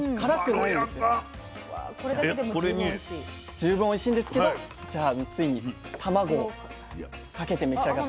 十分おいしいんですけどじゃあついに卵をかけて召し上がって。